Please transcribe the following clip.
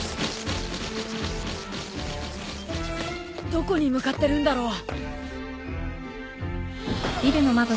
どこに向かってるんだろう？